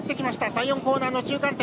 ３４コーナーの中間点。